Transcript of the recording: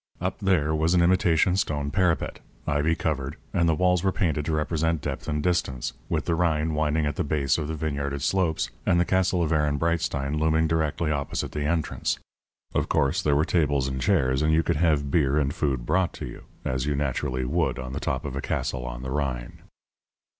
Up there was an imitation stone parapet, ivy covered, and the walls were painted to represent depth and distance, with the Rhine winding at the base of the vineyarded slopes, and the castle of Ehrenbreitstein looming directly opposite the entrance. Of course there were tables and chairs; and you could have beer and food brought you, as you naturally would on the top of a castle on the Rhine.